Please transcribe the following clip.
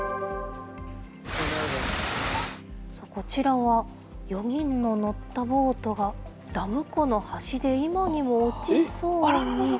こちらは、４人の乗ったボートがダム湖の端で今にも落ちそうに。